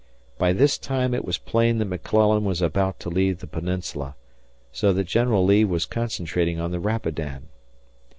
By this time it was plain that McClellan was about to leave the peninsula, so that General Lee was concentrating on the Rapidan.